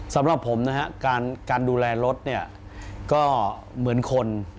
สำหรับผมนะครับการดูแลรถก็เหมือนคน